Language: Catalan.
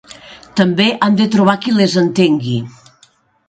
També han de trobar qui les entengui.